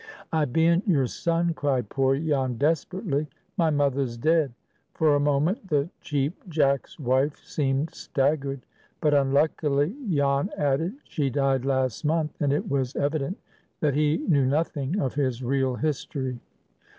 "I bean't your son!" cried poor Jan, desperately. "My mother's dead." For a moment the Cheap Jack's wife seemed staggered; but unluckily Jan added, "She died last month," and it was evident that he knew nothing of his real history.